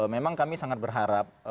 memang kami sangat berharap